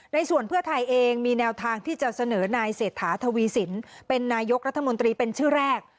ส่วนเพื่อไทยเองมีแนวทางที่จะเสนอนายเศรษฐาทวีสินเป็นนายกรัฐมนตรีเป็นชื่อแรก